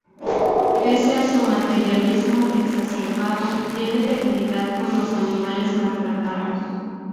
Pese a su materialismo exacerbado, tiene debilidad por los animales maltratados.